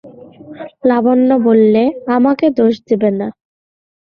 লাবণ্য বললে, আমাকে দোষ দেবেন না।